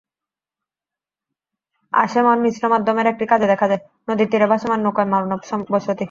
আসেমর মিশ্র মাধ্যমের একটি কাজে দেখা যায়, নদীর তীরে ভাসমান নৌকায় মানব বসতি।